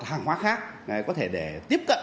hàng hóa khác có thể để tiếp cận